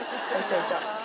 いた。